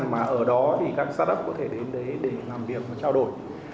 mà ở đó các startup có thể đến để làm việc và trao đổi